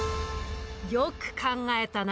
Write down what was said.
よく考えたな。